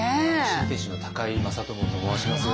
新店主の高井正智と申します。